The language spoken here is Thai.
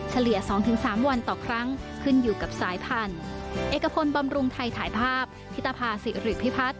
เฉลี่ย๒๓วันต่อครั้งขึ้นอยู่กับสายพันธุ์